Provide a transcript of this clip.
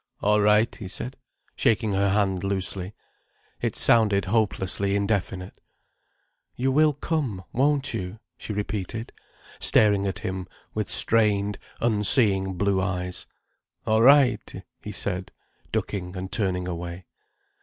"All right," he said, shaking her hand loosely. It sounded hopelessly indefinite. "You will come, won't you?" she repeated, staring at him with strained, unseeing blue eyes. "All right," he said, ducking and turning away.